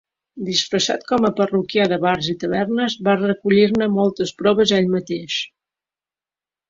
Disfressat com a parroquià de bars i tavernes, va recollir-ne moltes proves ell mateix.